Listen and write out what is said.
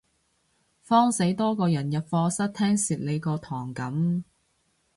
慌死多個人入課室聽蝕你嗰堂噉